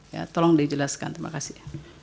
ya tolong dijelaskan terima kasih